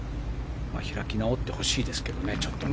開き直ってほしいですけどねちょっとね。